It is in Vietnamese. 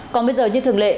còn bây giờ như thường lệ